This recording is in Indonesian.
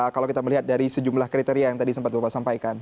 kalau kita melihat dari sejumlah kriteria yang tadi sempat bapak sampaikan